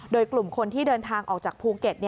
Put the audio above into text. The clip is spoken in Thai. โดยกลุ่มคนที่เดินทางออกจากภูเก็ต